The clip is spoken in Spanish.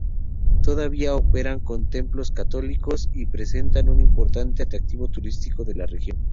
Todavía operan como templos católicos, y presentan un importante atractivo turístico de la región.